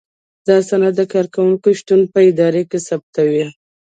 دا سند د کارکوونکي شتون په اداره کې تثبیتوي.